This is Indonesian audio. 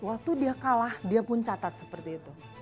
waktu dia kalah dia pun catat seperti itu